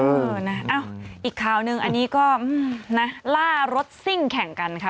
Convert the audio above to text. เออนะเอ้าอีกคราวหนึ่งอันนี้ก็อืมนะล่ารถสิ้งแข่งกันค่ะ